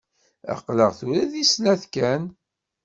Aql-aɣ tura di snat kan.